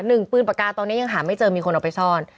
หนึ่งปืนปากกาตอนนี้ยังหาไม่เจอมีคนเอาไปซ่อน